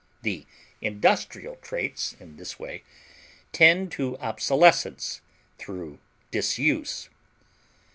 The industrial traits in this way tend to obsolescence through disuse.